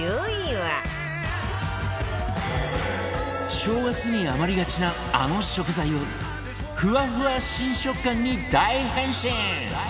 正月に余りがちなあの食材をふわふわ新食感に大変身！